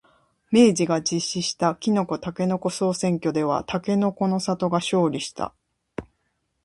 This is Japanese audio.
明治が実施したきのこ、たけのこ総選挙ではたけのこの里が勝利した。